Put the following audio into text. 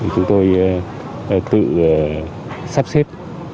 chúng tôi tự sắp xếp